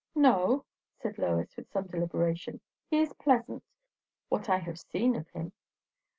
"No," said Lois with some deliberation. "He is pleasant, what I have seen of him."